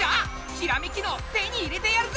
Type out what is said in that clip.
ひらめき脳手に入れてやるぜ！